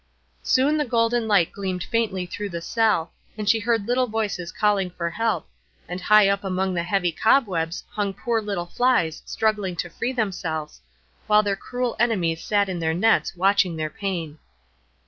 Soon the golden light gleamed faintly through the cell, and she heard little voices calling for help, and high up among the heavy cobwebs hung poor little flies struggling to free themselves, while their cruel enemies sat in their nets, watching their pain.